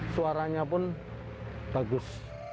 suaranya pun bagus